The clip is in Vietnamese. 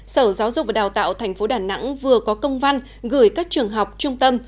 sở giáo dục và đào tạo tp đà nẵng vừa có công văn gửi các trường học trung tâm